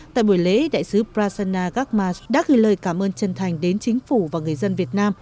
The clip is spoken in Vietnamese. tại buổi lễ đại sứ prasanna gagmas đã gửi lời cảm ơn chân thành đến chính phủ và người dân việt nam